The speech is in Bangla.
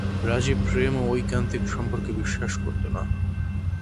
রাজীব প্রেম ও ঐকান্তিক সম্পর্কে বিশ্বাস করত না।